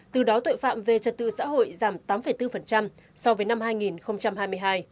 từ đó tội phạm về trật tự xã hội giảm tám bốn so với năm hai nghìn hai mươi hai